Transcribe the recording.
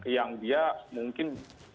yang dia mungkin